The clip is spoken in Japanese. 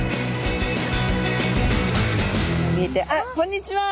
あっこんにちは！